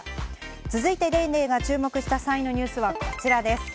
続いて『ＤａｙＤａｙ．』が注目した３位のニュースはこちらです。